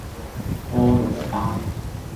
菠蘿包